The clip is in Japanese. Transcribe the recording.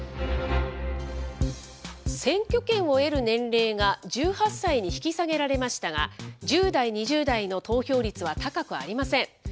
選挙権を得る年齢が１８歳に引き下げられましたが、１０代、２０代の投票率は高くありません。